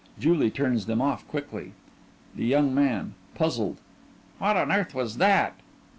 Julie turns them off quickly_) THE YOUNG MAN: (Puzzled) What on earth was that?